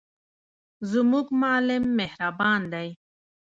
زموږ معلم مهربان دی.